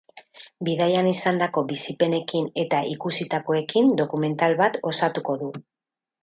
Bidaian izandako bizipenekin eta ikusitakoekin dokumental bat osatuko du.